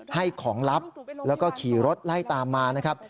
ให้ของลับแล้วก็ขี่รถไล่ตามมานะครับ